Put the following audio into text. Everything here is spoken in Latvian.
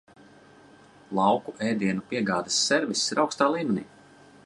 Lauku ēdienu piegādes serviss ir augstā līmenī.